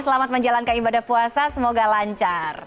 selamat menjalankan ibadah puasa semoga lancar